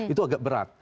itu agak berat